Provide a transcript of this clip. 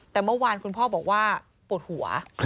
แต่เมื่อวานคุณพ่อบอกว่าปวดหัว